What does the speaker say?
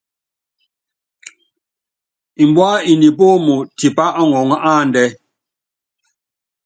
Mbúá i nipúum tipá ɔŋɔŋɔ́ áandɛ́.